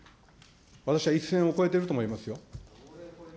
私は一線を越えていると思いますよ。